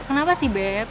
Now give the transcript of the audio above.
kenapa sih bep